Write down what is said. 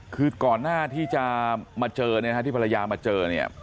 คือก่อนหน้าที่จะมาเจอเนี่ยนะฮะที่ภรรยามาเจอเนี่ย